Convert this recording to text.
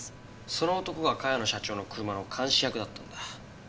その男が茅野社長の車の監視役だったんだ。